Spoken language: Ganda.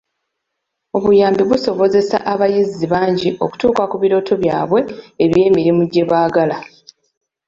Obuyambi busobozesezza abayizi bangi okutuuka ku birooto byabwe eby'emirimu gye baagala.